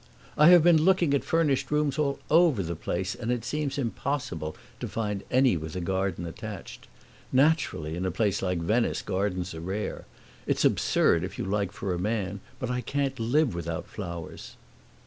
"I have been looking at furnished rooms all over the place, and it seems impossible to find any with a garden attached. Naturally in a place like Venice gardens are rare. It's absurd if you like, for a man, but I can't live without flowers."